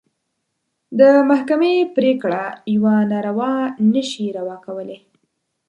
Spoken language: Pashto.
د محکمې پرېکړه يوه ناروا نه شي روا کولی.